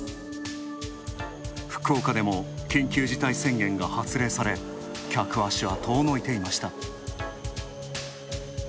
福岡でも緊急事態宣言が発令され、客足は遠のいていました。